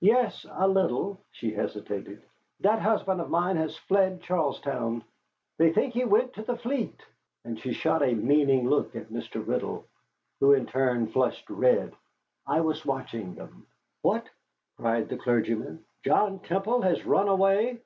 "Yes, a little." She hesitated. "That husband of mine has fled Charlestown. They think he went to the fleet." And she shot a meaning look at Mr. Riddle, who in turn flushed red. I was watching them. "What!" cried the clergyman, "John Temple has run away?"